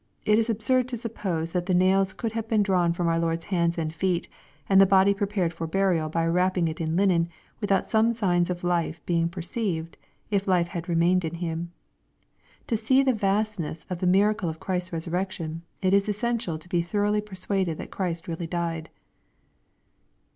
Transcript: It is absurd to suppose that the nails could have been drawn from our Lord's hands and feet, and the body pre pared for burial by wrapping it in linen, without some signs of life being perceived, if life had remained in Him. To see the vastnesa of the miracle of Christ's resurrection, it is essential to be thor oughly persuaded that Christ really died.